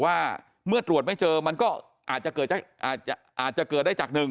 ว่าเมื่อตรวจไม่เจอมันก็อาจจะเกิดอาจจะเกิดได้จากหนึ่ง